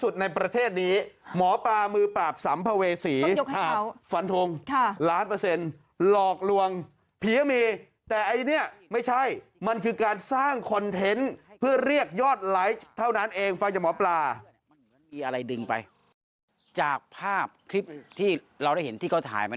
ดังนั้นก็เลยทดสอบแบบนี้